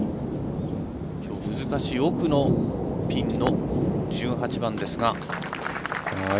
きょう難しい奥のピンの１８番ですが。